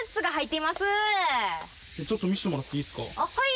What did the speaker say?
ちょっと見せてもらっていいですか？